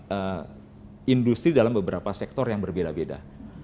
ada industri dalam beberapa sektor yang berbeda beda